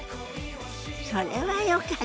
それはよかった。